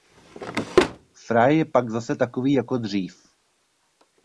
Fry je pak zase takový jako dřív.